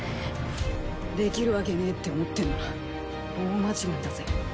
できるわけねえって思ってんなら大間違いだぜ。